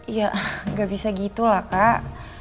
ya gak bisa gitu lah kak